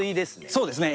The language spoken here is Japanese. そうですね。